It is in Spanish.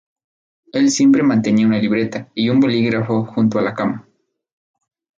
Él siempre mantenía una libreta y un bolígrafo junto a la cama.